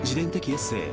エッセー